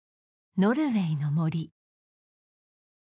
「ノルウェイの森」